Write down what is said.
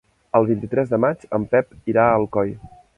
El vint-i-tres de maig en Pep irà a Alcoi.